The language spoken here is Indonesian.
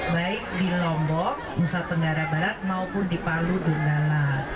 baik di lombok nusa tenggara barat maupun di palu donggala